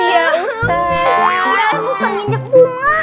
ya bukan nginjek bunga